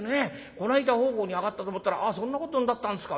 この間奉公に上がったと思ったらそんなことになったんですか。